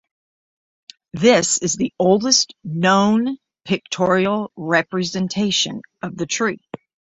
This is the oldest known pictorial representation of the tree.